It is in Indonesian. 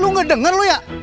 lu ngedenger lu ya